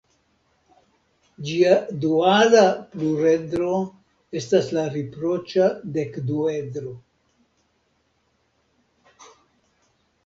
Ĝia duala pluredro estas la riproĉa dekduedro.